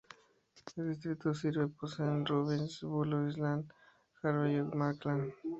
El distrito sirve Posen, Robbins, Blue Island, Harvey y Markham.